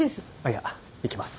いや行きます。